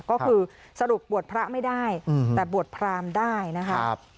ก็คือสรุปบวชพระไม่ได้แต่บวชพรามได้นะครับ